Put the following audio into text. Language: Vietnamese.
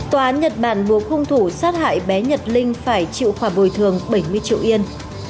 tòa án nhật bản buộc hung thủ sát hại bé nhật linh phải chịu khoản bồi thường bảy mươi triệu yên